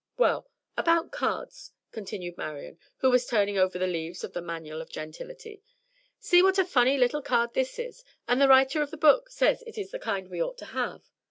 "Well, about cards," continued Marian, who was turning over the leaves of the "Manual of Gentility." "See what a funny little card this is; and the writer of the book says it is the kind we ought to have."